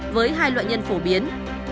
với hai loại nhân phổ biến